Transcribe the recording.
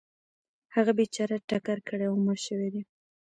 هغه بیچاره ټکر کړی او مړ شوی دی .